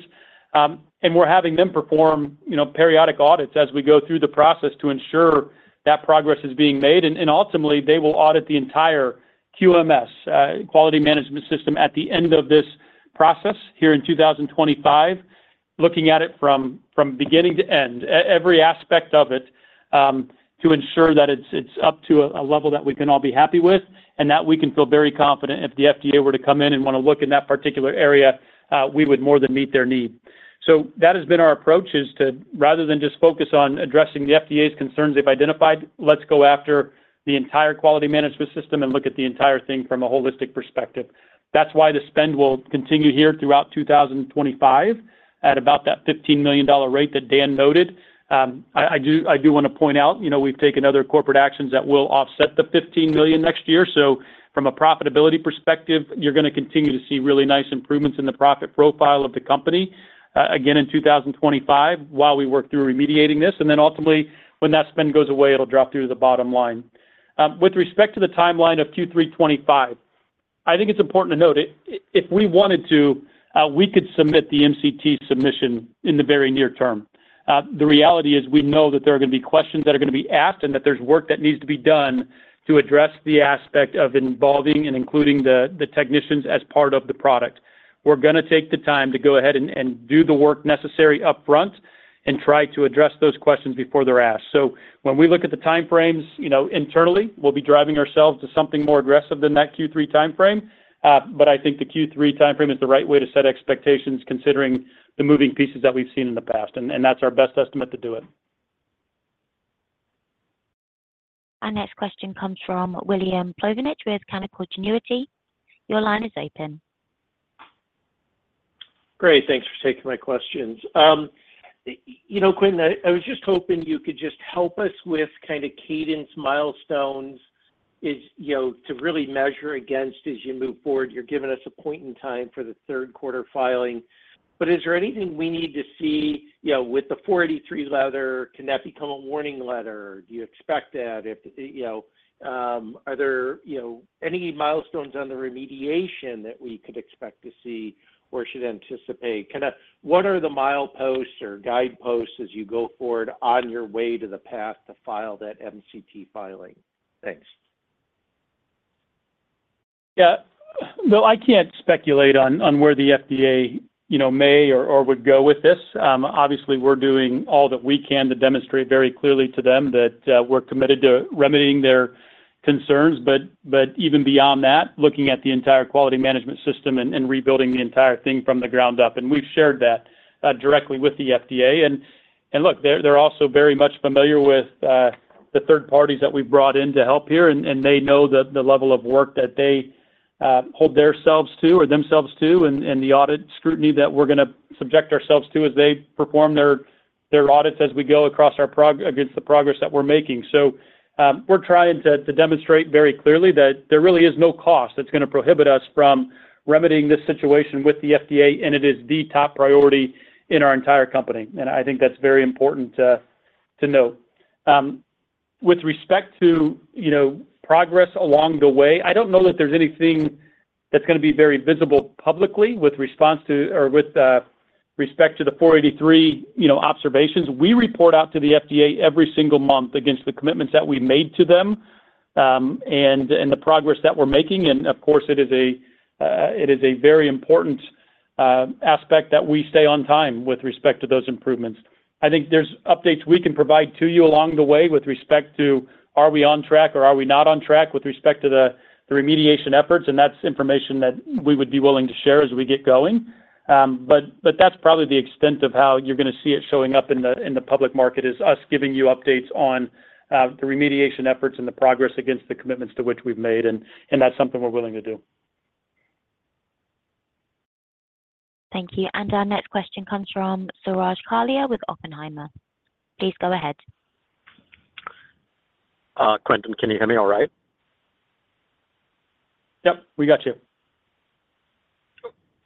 Speaker 3: and we're having them perform, you know, periodic audits as we go through the process to ensure that progress is being made. And ultimately, they will audit the entire QMS, quality management system, at the end of this process here in 2025, looking at it from beginning to end, every aspect of it to ensure that it's up to a level that we can all be happy with and that we can feel very confident if the FDA were to come in and want to look in that particular area, we would more than meet their need. So that has been our approach is to, rather than just focus on addressing the FDA's concerns they've identified, let's go after the entire quality management system and look at the entire thing from a holistic perspective. That's why the spend will continue here throughout 2025 at about that $15 million rate that Dan noted. I do want to point out, you know, we've taken other corporate actions that will offset the $15 million next year. So from a profitability perspective, you're going to continue to see really nice improvements in the profit profile of the company again in 2025 while we work through remediating this. And then ultimately, when that spend goes away, it'll drop through the bottom line. With respect to the timeline of Q3 2025, I think it's important to note if we wanted to, we could submit the MCT submission in the very near term. The reality is we know that there are going to be questions that are going to be asked and that there's work that needs to be done to address the aspect of involving and including the technicians as part of the product. We're going to take the time to go ahead and do the work necessary upfront and try to address those questions before they're asked. So when we look at the timeframes, you know, internally, we'll be driving ourselves to something more aggressive than that Q3 timeframe. But I think the Q3 timeframe is the right way to set expectations considering the moving pieces that we've seen in the past. And that's our best estimate to do it.
Speaker 1: Our next question comes from William Plovanic with Canaccord Genuity. Your line is open.
Speaker 11: Great. Thanks for taking my questions. You know, Quentin, I was just hoping you could just help us with kind of cadence milestones is, you know, to really measure against as you move forward. You're giving us a point in time for the third quarter filing. But is there anything we need to see, you know, with the 483 letter? Can that become a warning letter? Do you expect that? If, you know, are there, you know, any milestones on the remediation that we could expect to see or should anticipate? Kind of, what are the mileposts or guideposts as you go forward on your way to the path to file that MCT filing? Thanks.
Speaker 3: Yeah. No, I can't speculate on where the FDA, you know, may or would go with this. Obviously, we're doing all that we can to demonstrate very clearly to them that we're committed to remedying their concerns. But even beyond that, looking at the entire quality management system and rebuilding the entire thing from the ground up, and we've shared that directly with the FDA. Look, they're also very much familiar with the third parties that we've brought in to help here. They know the level of work that they hold theirselves to or themselves to and the audit scrutiny that we're going to subject ourselves to as they perform their audits as we go across our progress against the progress that we're making. We're trying to demonstrate very clearly that there really is no cost that's going to prohibit us from remedying this situation with the FDA. It is the top priority in our entire company. I think that's very important to note. With respect to, you know, progress along the way, I don't know that there's anything that's going to be very visible publicly with response to or with respect to the 483, you know, observations. We report out to the FDA every single month against the commitments that we've made to them and the progress that we're making. And of course, it is a very important aspect that we stay on time with respect to those improvements. I think there's updates we can provide to you along the way with respect to are we on track or are we not on track with respect to the remediation efforts. And that's information that we would be willing to share as we get going. But that's probably the extent of how you're going to see it showing up in the public market is us giving you updates on the remediation efforts and the progress against the commitments to which we've made. And that's something we're willing to do.
Speaker 1: Thank you. And our next question comes from Suraj Kalia with Oppenheimer. Please go ahead.
Speaker 12: Quentin, can you hear me all right?
Speaker 3: Yep, we got you.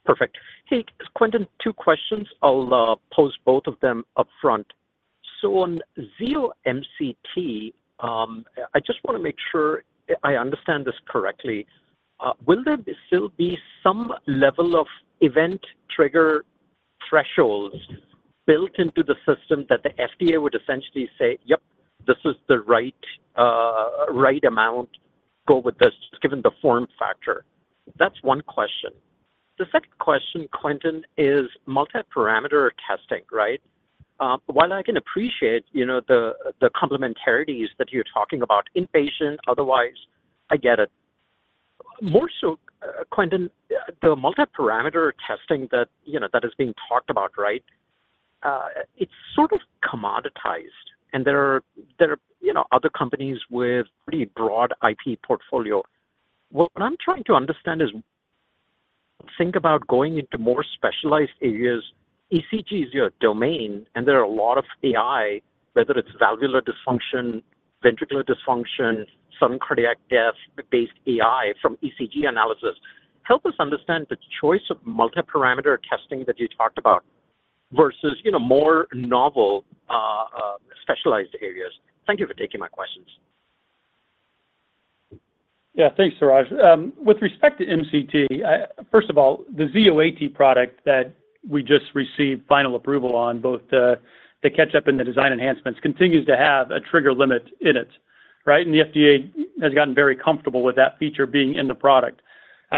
Speaker 3: Perfect.
Speaker 12: Hey, Quentin, two questions. I'll pose both of them upfront. So on Zio MCT, I just want to make sure I understand this correctly. Will there still be some level of event trigger thresholds built into the system that the FDA would essentially say, yep, this is the right amount, go with this given the form factor? That's one question. The second question, Quentin, is multiparameter testing, right? While I can appreciate, you know, the complementarities that you're talking about inpatient, otherwise I get it. More so, Quentin, the multiparameter testing that, you know, that is being talked about, right? It's sort of commoditized. And there are, you know, other companies with pretty broad IP portfolio. What I'm trying to understand is think about going into more specialized areas. ECG is your domain. And there are a lot of AI, whether it's valvular dysfunction, ventricular dysfunction, sudden cardiac death-based AI from ECG analysis. Help us understand the choice of multiparameter testing that you talked about versus, you know, more novel specialized areas. Thank you for taking my questions.
Speaker 3: Yeah, thanks, Suraj. With respect to MCT, first of all, the Zio AT product that we just received final approval on, both the catch-up and the design enhancements, continues to have a trigger limit in it, right? And the FDA has gotten very comfortable with that feature being in the product.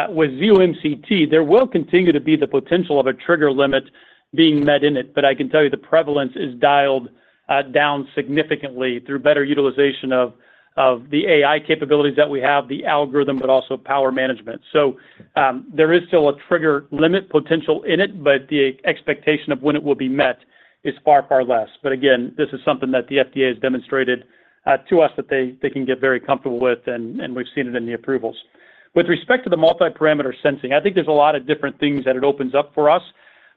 Speaker 3: With Zio MCT, there will continue to be the potential of a trigger limit being met in it. But I can tell you the prevalence is dialed down significantly through better utilization of the AI capabilities that we have, the algorithm, but also power management. So there is still a trigger limit potential in it, but the expectation of when it will be met is far, far less. But again, this is something that the FDA has demonstrated to us that they can get very comfortable with. And we've seen it in the approvals. With respect to the multiparameter sensing, I think there's a lot of different things that it opens up for us.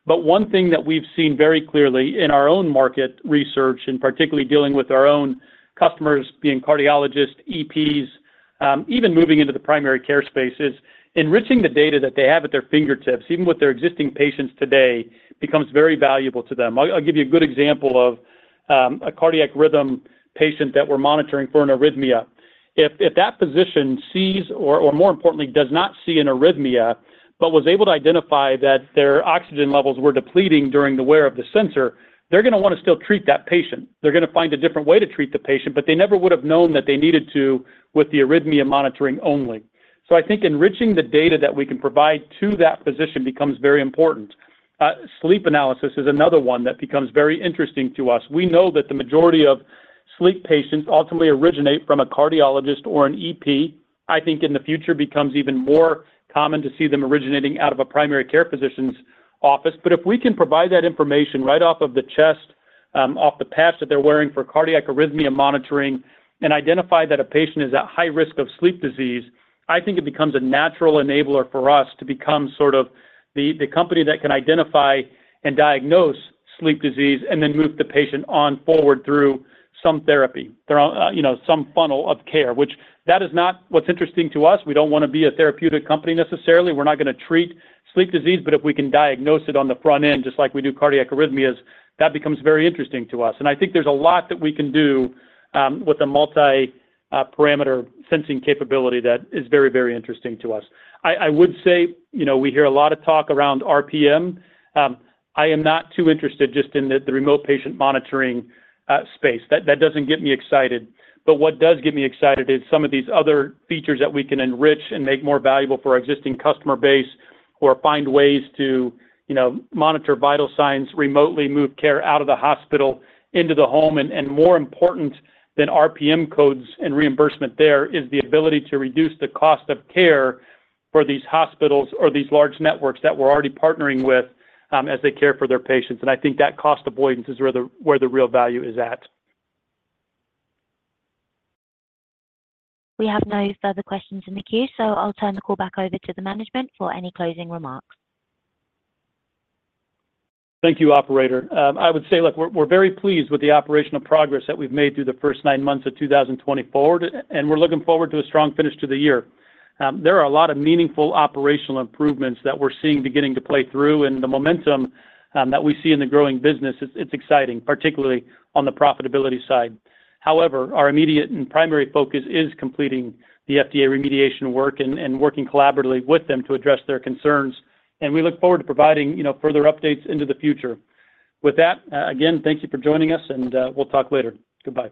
Speaker 3: But one thing that we've seen very clearly in our own market research and particularly dealing with our own customers being cardiologists, EPs, even moving into the primary care space, is enriching the data that they have at their fingertips, even with their existing patients today, becomes very valuable to them. I'll give you a good example of a cardiac rhythm patient that we're monitoring for an arrhythmia. If that physician sees, or more importantly, does not see an arrhythmia, but was able to identify that their oxygen levels were depleting during the wear of the sensor, they're going to want to still treat that patient. They're going to find a different way to treat the patient, but they never would have known that they needed to with the arrhythmia monitoring only. So I think enriching the data that we can provide to that physician becomes very important. Sleep analysis is another one that becomes very interesting to us. We know that the majority of sleep patients ultimately originate from a cardiologist or an EP. I think in the future becomes even more common to see them originating out of a primary care physician's office. But if we can provide that information right off of the chest, off the patch that they're wearing for cardiac arrhythmia monitoring, and identify that a patient is at high risk of sleep disease, I think it becomes a natural enabler for us to become sort of the company that can identify and diagnose sleep disease and then move the patient on forward through some therapy, you know, some funnel of care, which is not what's interesting to us. We don't want to be a therapeutic company necessarily. We're not going to treat sleep disease. But if we can diagnose it on the front end, just like we do cardiac arrhythmias, that becomes very interesting to us. And I think there's a lot that we can do with the multiparameter sensing capability that is very, very interesting to us. I would say, you know, we hear a lot of talk around RPM. I am not too interested just in the remote patient monitoring space. That doesn't get me excited. But what does get me excited is some of these other features that we can enrich and make more valuable for our existing customer base or find ways to, you know, Monitor vital signs remotely, move care out of the hospital into the home. And more important than RPM codes and reimbursement there is the ability to reduce the cost of care for these hospitals or these large networks that we're already partnering with as they care for their patients. And I think that cost avoidance is where the real value is at.
Speaker 1: We have no further questions in the queue. So I'll turn the call back over to the management for any closing remarks.
Speaker 3: Thank you, Operator. I would say, look, we're very pleased with the operational progress that we've made through the first nine months of 2024, and we're looking forward to a strong finish to the year. There are a lot of meaningful operational improvements that we're seeing beginning to play through, and the momentum that we see in the growing business, it's exciting, particularly on the profitability side. However, our immediate and primary focus is completing the FDA remediation work and working collaboratively with them to address their concerns, and we look forward to providing, you know, further updates into the future. With that, again, thank you for joining us, and we'll talk later. Goodbye.